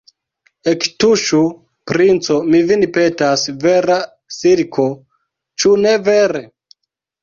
Ektuŝu, princo, mi vin petas, vera silko, ĉu ne vere?